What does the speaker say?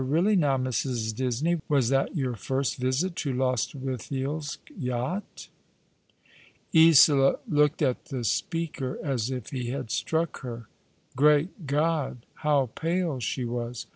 Eeally, now, Mrs. Disney, was that your first visit to Lostwithiel's yacht ?" Isola looked at the speaker as if he had struck her. Great God, how pale she was!